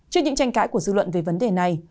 trước những tranh cãi của dư luận về vấn đề này